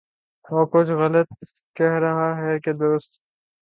وہ کچھ غلط کہہ رہا ہے کہ درست